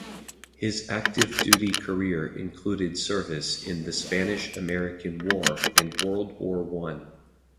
His active-duty career included service in the Spanish-American War and World War One.